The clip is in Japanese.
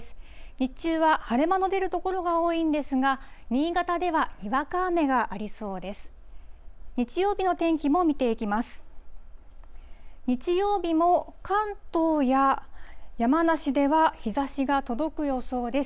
日中は晴れ間の出る所が多いんですが、新潟ではにわか雨がありそうです。